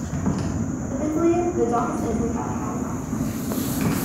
Typically the dock is entered at high tide.